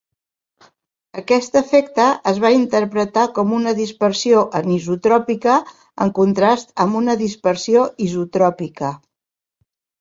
Aquest efecte es va interpretar com una dispersió anisotròpica en contrast amb una dispersió isotròpica.